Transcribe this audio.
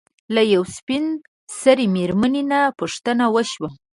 له يوې سپين سري مېرمنې نه پوښتنه وشوه